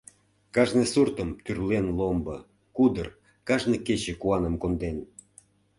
Кажне суртым тӱрлен ломбо, кудыр, Кажне кече куаным конден.